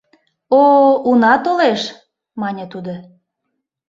— О, уна толеш, — мане тудо.